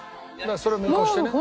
それを見越してね。